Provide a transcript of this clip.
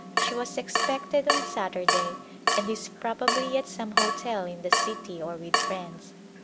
She was expected on Saturday, and is, probably, at some hotel in the city or with friends.